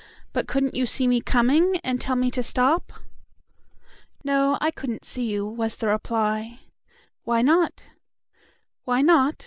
"But couldn't you see me coming, and tell me to stop?" "No, I couldn't see you," was the reply. "Why not?" "Why not?